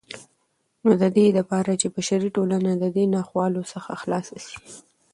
نو ددې دپاره چې بشري ټولنه ددې ناخوالو څخه خلاصه سي